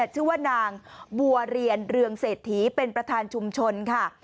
ชื่อว่านางบัวเรียนเรืองเศรษฐีเป็นประธานชุมชนค่ะ